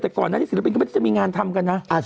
แต่ก่อนหน้านี้ศิลปินไม่ได้มีงานทำกันนะ